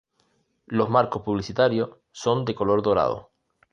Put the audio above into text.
Los marcos publicitarios son de color dorado.